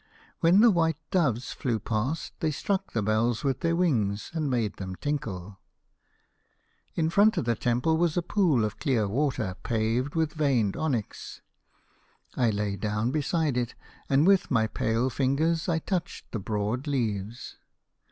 When the white doves flew past, they struck the bells with their wings and made them tinkle. "In front of the temple was a pool of clear 92 The Fisherman and his Soul. water paved with veined onyx. I lay down beside it, and with my pale fingers I touched the broad leaves.